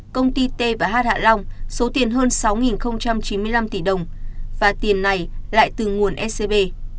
công ty t và h hạ long số tiền hơn sáu chín mươi năm tỷ đồng và tiền này lại từ nguồn scb